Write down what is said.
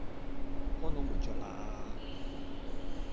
看我們在那呀？